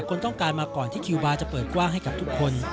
คนต้องการมาก่อนที่คิวบาร์จะเปิดกว้างให้กับทุกคน